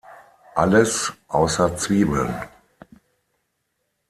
Alles, ausser Zwiebeln.